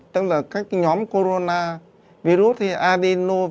tức là các nhóm corona virus adenovirus